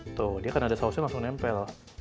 tuh dia kan ada sausnya langsung nempel